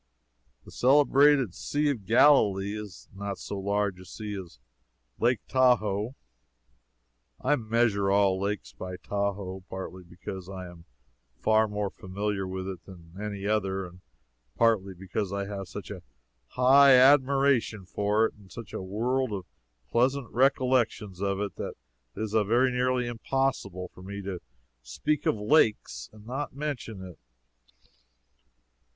The celebrated Sea of Galilee is not so large a sea as Lake Tahoe [I measure all lakes by Tahoe, partly because I am far more familiar with it than with any other, and partly because I have such a high admiration for it and such a world of pleasant recollections of it, that it is very nearly impossible for me to speak of lakes and not mention it.